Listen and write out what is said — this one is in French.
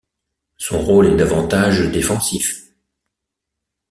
Son rôle est davantage défensif.